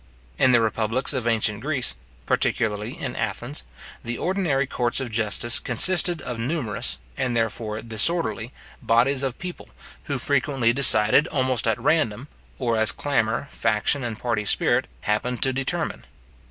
In the republics of ancient Greece, particularly in Athens, the ordinary courts of justice consisted of numerous, and therefore disorderly, bodies of people, who frequently decided almost at random, or as clamour, faction, and party spirit, happened to determine.